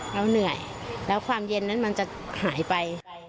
เหนื่อยแล้วความเย็นนั้นมันจะหายไป